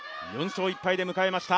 ４勝１敗で迎えました